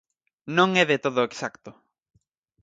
Non é de todo exacto.